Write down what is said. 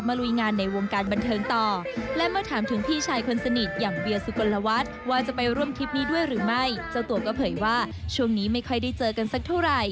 ไม่ค่อยได้เจอกันสักเท่าไหร่